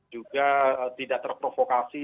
juga tidak terprovokasi